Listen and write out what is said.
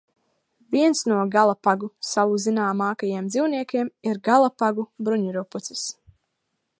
Viens no Galapagu salu zināmākajiem dzīvniekiem ir Galapagu bruņurupucis.